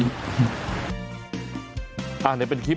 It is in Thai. อ่าเดี๋ยวเป็นคลิปของลุงพลนั่นแหละนะครับ